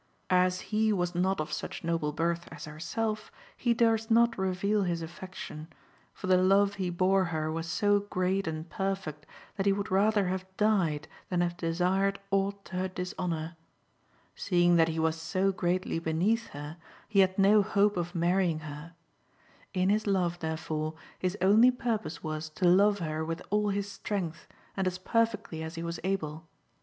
As he was not of such noble birth as herself, he durst not reveal his affection, for the love he bore her was so great and perfect that he would rather have died than have desired aught to her dishonour. Seeing that he was so I4 THE HEPTAMERON. greatly beneath her, he had no hope of marrying her ; in his love, therefore, his only purpose was to love her with all his strength and as perfectly as he was able.